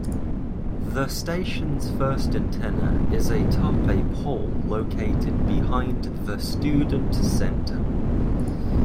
The station's first antenna is atop a pole located behind the Student Center.